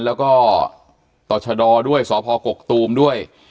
แล้วก็ตรชโดตอคนด้วยสอพอกกตูมด้วย